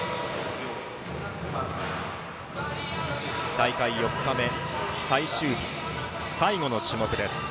大会４日目、最終日最後の種目です。